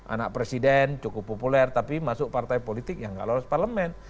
anak presiden cukup populer tapi masuk partai politik ya enggak lelah separlemen